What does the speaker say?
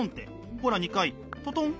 ほら２回トトン。